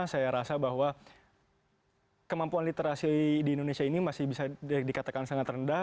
saya rasa bahwa kemampuan literasi di indonesia ini masih bisa dikatakan sangat rendah